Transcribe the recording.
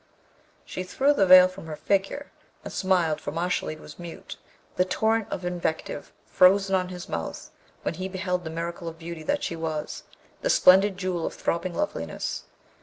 She threw the veil from her figure, and smiled, for Mashalleed was mute, the torrent of invective frozen on his mouth when he beheld the miracle of beauty that she was, the splendid jewel of throbbing loveliness.